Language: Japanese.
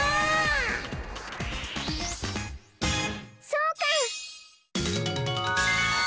そうか！